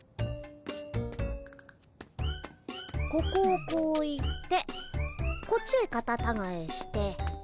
ここをこう行ってこっちへカタタガエして。